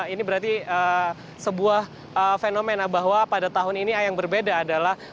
ini berarti sebuah fenomena bahwa pada tahun ini yang berbeda adalah